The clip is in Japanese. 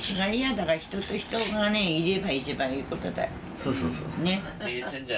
そうそうそう。